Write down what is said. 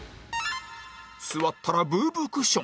座ったらブーブークッション